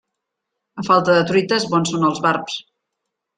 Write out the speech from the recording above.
A falta de truites, bons són els barbs.